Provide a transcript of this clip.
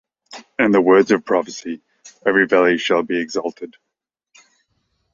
And in the words of prophecy, every valley shall be exalted.